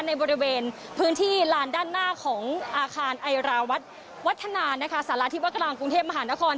ในบริเวณพื้นที่ลานด้านหน้าของอาคารไอราวัฒนาสกกรุงเทพมหานคร